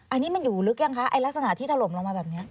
อันนี้มันอยู่ลึกหรือยังคะลักษณะที่ทะลมลงมาแบบนี้